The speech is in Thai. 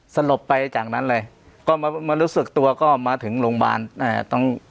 สลบไปจากนั้นเลยก็มามารู้สึกตัวก็มาถึงโรงพยาบาลอ่าต้อง